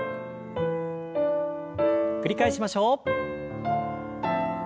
繰り返しましょう。